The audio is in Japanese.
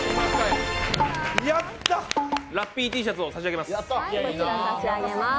ラッピーＴシャツを差し上げます。